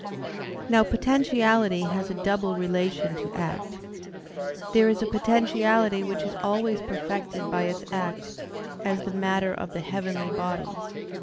Now, potentiality has a double relation to act. There is a potentiality which is always perfected by its act: as the matter of the heavenly bodies (Q.